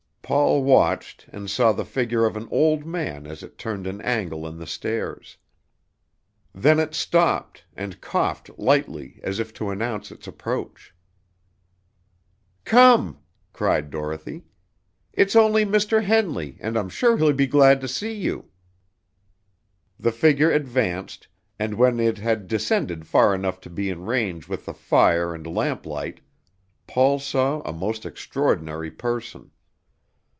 Paul watched, and saw the figure of an old man as it turned an angle in the stairs. Then it stopped, and coughed lightly as if to announce its approach. "Come," cried Dorothy, "it's only Mr. Henley, and I'm sure he'll be glad to see you." The figure advanced, and when it had descended far enough to be in range with the fire and lamplight, Paul saw a most extraordinary person.